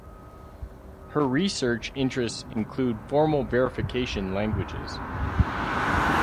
Her research interests include formal verification languages.